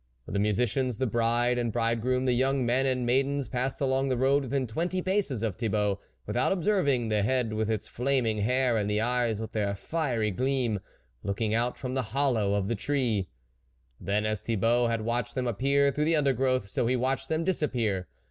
The musicians, the bride and bride groom, the young men and maidens, passed along the road within twenty paces of Thibault, without observing the head with its flaming hair and the eyes with their fiery gleam, looking out from the hollow of the tree. Then, as Thibault had watched them appear through the undergrowth, so he watched them disap pear.